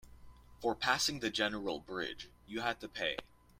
For passing the general bridge, you had to pay.